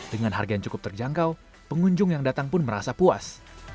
dengan harga yang cukup terjangkau pengunjung yang datang pun merasa puas